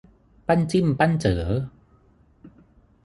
ปั้นจิ้มปั้นเจ๋อ